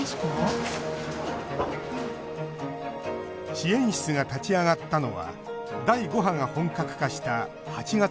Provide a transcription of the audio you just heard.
支援室が立ち上がったのは第５波が本格化した８月中旬。